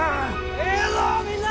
ええぞみんな！